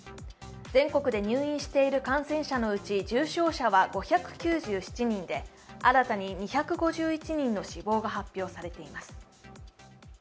全国で入院している感染者のうち重症者は５９７人で新たに２５１人の死亡が発表されています。